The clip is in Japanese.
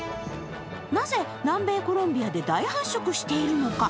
なぜ南米コロンビアで大繁殖しているのか。